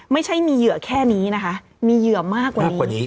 ไม่ใช่มีเหยื่อแค่นี้นะคะมีเหยื่อมากกว่านี้